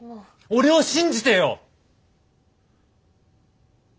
俺を信じてよ！